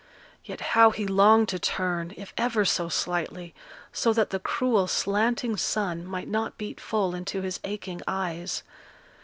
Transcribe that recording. Yet how he longed to turn, if ever so slightly, so that the cruel slanting sun might not beat full into his aching eyes.